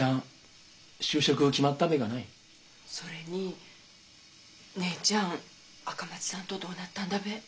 それに姉ちゃん赤松さんとどうなったんだべ？